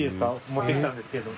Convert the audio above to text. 持ってきたんですけど。